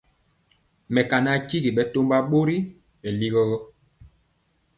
Mekana tyigi bɛtɔmba bori bɛ kweli gɔ.